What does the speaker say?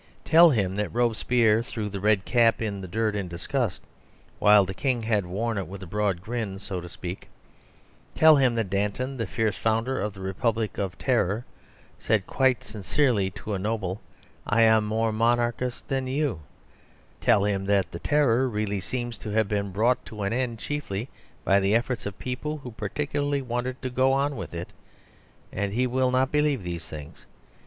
Tell him that Robespierre threw the red cap in the dirt in disgust, while the king had worn it with a broad grin, so to speak; tell him that Danton, the fierce founder of the Republic of the Terror, said quite sincerely to a noble, "I am more monarchist than you;" tell him that the Terror really seems to have been brought to an end chiefly by the efforts of people who particularly wanted to go on with it and he will not believe these things.